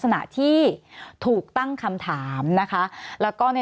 สวัสดีครับทุกคน